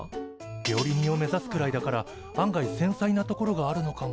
料理人を目指すくらいだから案外せんさいなところがあるのかも。